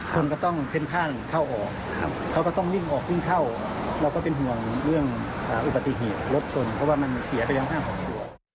คนก็ต้องเพ้นห้างเข้าออกเขาก็ต้องวิ่งออกวิ่งเข้าเราก็เป็นห่วงเรื่องอุบัติเหตุรถชนเพราะว่ามันเสียไปทั้ง๕๖เดือน